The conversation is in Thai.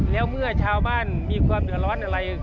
แล้วเมื่อชาวบ้านมีความเดือดร้อนอะไร